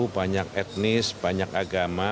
banyak etnis banyak agama